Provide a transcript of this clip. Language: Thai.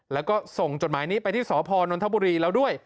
แล้วก็ส่งจดหมายนี้ไปที่สพนนทบุรีแล้วด้วย